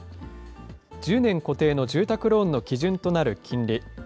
１０年固定の住宅ローンの基準となる金利。